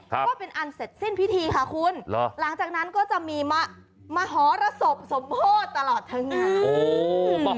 ก็เป็นอันเสร็จสิ้นพิธีค่ะคุณหลังจากนั้นก็จะมีมหรสบสมโพธิตลอดทั้งงาน